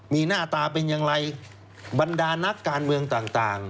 มีหน้าตาเป็นอย่างไรบรรดานักการเมืองต่าง